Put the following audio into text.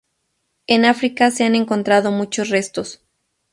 En África se han encontrado muchos restos.